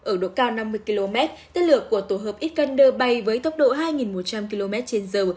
ở độ cao năm mươi km tên lửa của tổ hợp iskander bay với tốc độ hai một trăm linh km trên giờ